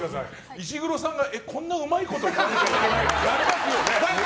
石黒さんがこんなうまいことやるの？って。